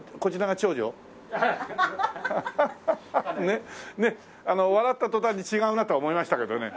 ねっねっ笑った途端に違うなとは思いましたけどね。